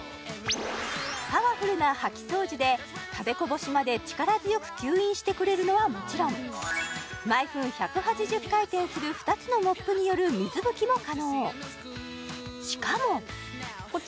パワフルな掃き掃除で食べこぼしまで力強く吸引してくれるのはもちろん毎分１８０回転する２つのモップによる水拭きも可能しかもこちらさらに